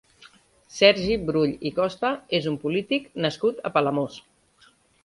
Sergi Brull i Costa és un polític nascut a Palamós.